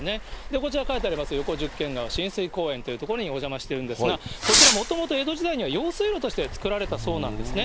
こちら書いてあります、横十間川親水公園という所にお邪魔してるんですが、こちらもともと江戸時代には用水路として作られたそうなんですね。